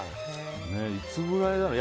いつぐらいだろう。